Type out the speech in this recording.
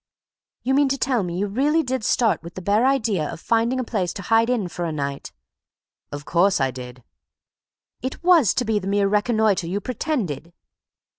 "You mean to tell me you really did start with the bare idea of finding a place to hide in for a night?" "Of course I did." "It was to be the mere reconnoitre you pretended?"